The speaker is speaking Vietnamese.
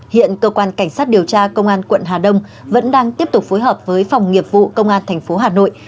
hiện cơ quan cảnh sát điều tra công an quận hà đông vẫn đang tiếp tục phối hợp với phòng nghiệp vụ công an tp hà nội